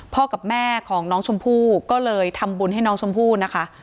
กับแม่ของน้องชมพู่ก็เลยทำบุญให้น้องชมพู่นะคะ